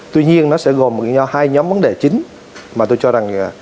tuy nhiên nó sẽ gồm hai nhóm vấn đề chính mà tôi cho rằng